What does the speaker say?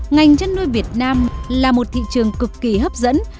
ngành chăn nuôi việt nam là một thị trường cực kỳ hấp dẫn